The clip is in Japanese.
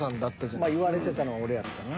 まあ言われてたのは俺やったな。